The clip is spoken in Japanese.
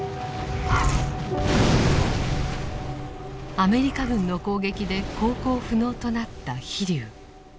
アメリカ軍の攻撃で航行不能となった「飛龍」。